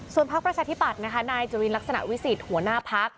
ส่วนภาคประชาธิปัตย์นะคะนายจริงลักษณะวิสิทธิ์หัวหน้าภาค